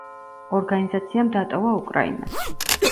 ორგანიზაციამ დატოვა უკრაინა.